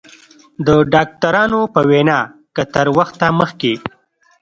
د ډاکترانو په وینا که تر وخته مخکې